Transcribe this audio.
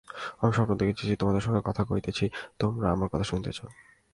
আমি স্বপ্ন দেখিতেছি, তোমাদের সঙ্গে কথা কহিতেছি, তোমরা আমার কথা শুনিতেছ।